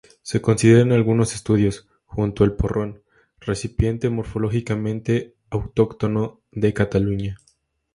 Se considera en algunos estudios, junto el porrón, recipiente morfológicamente autóctono de Cataluña.